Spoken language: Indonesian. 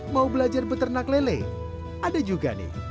mau belajar beternak lele ada juga nih